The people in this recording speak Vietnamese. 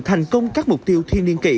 thành công các mục tiêu thiên liên kỷ